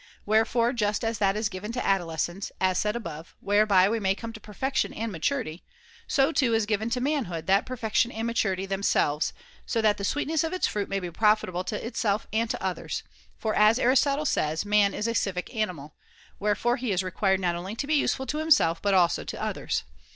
Wherefore, just as that is given to adolescence (as said above), whereby we may come to perfection and maturity, so too is given to manhood that perfection and that maturity themselves, so that the sweetness of its fruit may be profitable to itself and to others ; for, as Aristotle says, ' man is a civic animal,' [^30] wherefore he is required not only to be useful to himself but 366 THE CONVIVIO Ch. we need also to others.